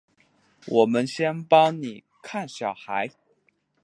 我们先帮妳看小孩